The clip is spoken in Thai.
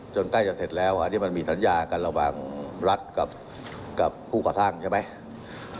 ใกล้จะเสร็จแล้วอันนี้มันมีสัญญากันระหว่างรัฐกับผู้ก่อสร้างใช่ไหม